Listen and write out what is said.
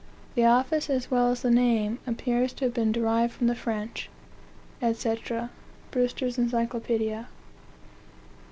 The office, as well as the name, appears to have been derived from the French," &c. Brewster's Encyclopedia.